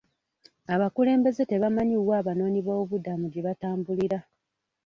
Abakulembeze tebamanyi wa abanoonyiboobubudamu gye batambulira.